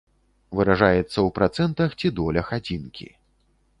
Выражаецца ў працэнтах ці долях адзінкі.